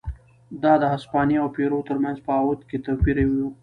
دا د هسپانیا او پیرو ترمنځ په عوایدو کې توپیر و.